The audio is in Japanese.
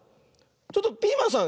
ちょっとピーマンさん